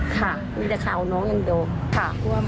ค่ะนี้แต่ข่าวน้องยังโดม